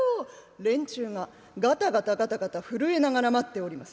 連中がガタガタガタガタ震えながら待っております。